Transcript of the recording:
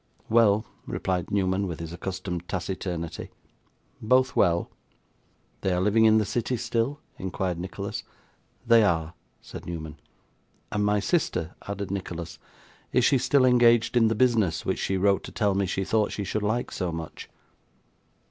'Well,' replied Newman, with his accustomed taciturnity; 'both well.' 'They are living in the city still?' inquired Nicholas. 'They are,' said Newman. 'And my sister,' added Nicholas. 'Is she still engaged in the business which she wrote to tell me she thought she should like so much?